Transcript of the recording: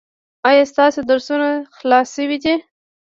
ایا ستاسو درسونه خلاص شوي دي؟